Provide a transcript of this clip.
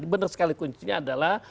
benar sekali kuncinya adalah